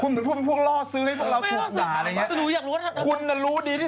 คุณเหมือนพวกล่อซื้อว่าให้พวกเราถูกหวัดอะไรอย่างนี้